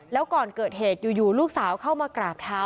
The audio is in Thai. แล้วก่อนเกิดเหตุอยู่ลูกสาวเข้ามากราบเท้า